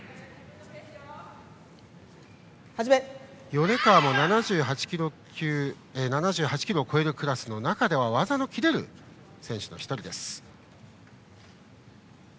米川も７８ｋｇを超えるクラスの中では技のきれる選手の１人です。